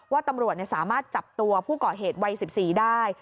ว่าตำรวจสามารถจับตัวผู้ก่อเหตุวัย๑๔ได้